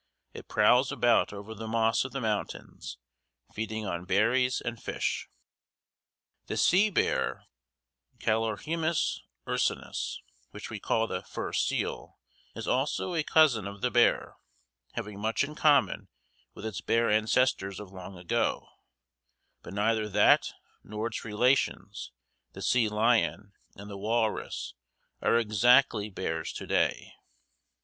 It prowls about over the moss of the mountains, feeding on berries and fish. The sea bear, Callorhinus ursinus, which we call the fur seal, is also a cousin of the bear, having much in common with its bear ancestors of long ago, but neither that nor its relations, the sea lion and the walrus, are exactly bears to day.